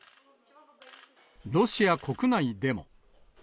ロシア国内でも。